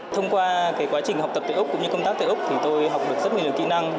thông qua quá trình học tập tại úc cũng như công tác tại úc thì tôi học được rất nhiều kỹ năng